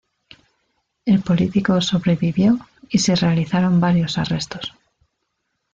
El político sobrevivió y se realizaron varios arrestos.